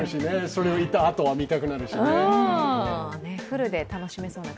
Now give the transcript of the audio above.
それを行ったあとは見たくなるしね。